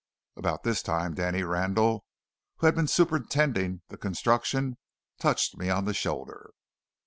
About this time Danny Randall, who had been superintending the construction, touched me on the shoulder.